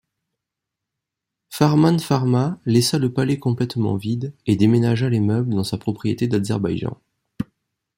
Farmanfarma laissa le palais complètement vide, et déménagea les meubles dans sa propriété d'Azerbaïdjan.